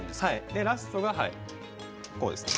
でラストがこうですね。